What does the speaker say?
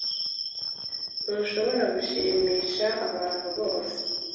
Ntushobora gushimisha abantu bose.